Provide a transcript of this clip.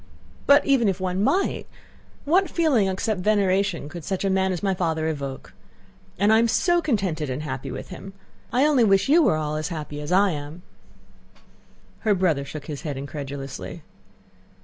But even if one might, what feeling except veneration could such a man as my father evoke? And I am so contented and happy with him. I only wish you were all as happy as I am." Her brother shook his head incredulously.